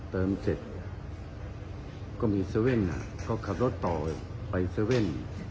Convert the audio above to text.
เติมเสร็จก็มีเซเว่นอ่ะก็ขับรถต่อไปเซเว่น